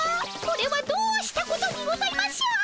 これはどうしたことにございましょう！